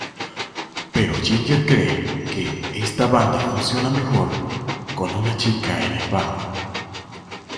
Pero Ginger cree que "esta banda funciona mejor con una chica en el bajo.